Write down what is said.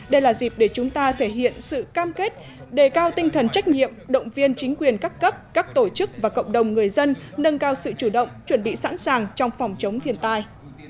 đây là dịp để chúng ta thể hiện sự cam kết đề cao tinh thần trách nhiệm động viên chính quyền các cấp các tổ chức và cộng đồng người dân nâng cao sự chủ động chuẩn bị sẵn sàng trong phòng chống thiên tai